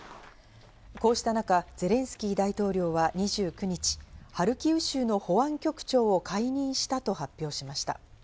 こうした中、ゼレンスキー大統領は２９日、ハルキウ州の保安局長を解任したと発表しました。